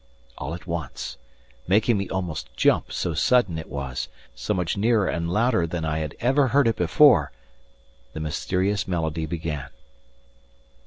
All at once, making me almost jump, so sudden it was, so much nearer and louder than I had ever heard it before, the mysterious melody began.